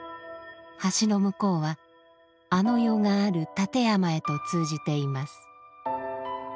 橋の向こうはあの世がある立山へと通じています。